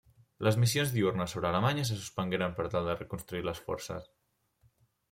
Les missions diürnes sobre Alemanya se suspengueren per tal de reconstruir les forces.